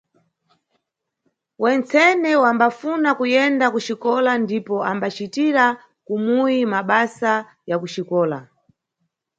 Wentsene wambafuna kuyenda kuxikola ndipo ambacitira kumuyi mabasa ya kuxikola.